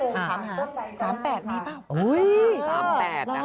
ตามหา๓๘มีเปล่า